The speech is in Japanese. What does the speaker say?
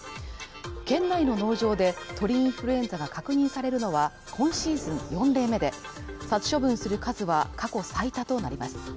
県内の農場で鳥インフルエンザが確認されるのは、今シーズン４例目で殺処分する数は過去最多となります。